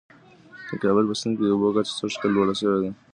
د کابل په سیند کي د اوبو کچه سږ کال لوړه سوې ده.